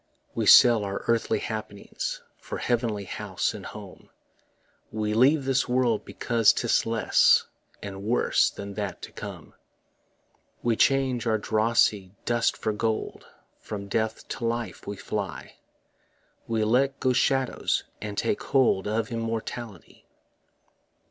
We sell our earthly happiness For heavenly house and home; We leave this world because 'tis less And worse than that to come. We change our drossy dust for gold, From death to life we fly; We let go shadows, and take hold Of immortality.